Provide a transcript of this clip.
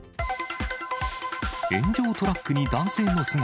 炎上トラックに男性の姿。